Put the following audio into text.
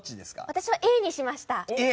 私はＡにしました。